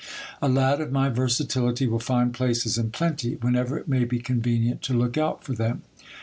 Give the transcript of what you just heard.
A lad of my versatility will find places in plenty, whenever it may be convenient to look out for them.'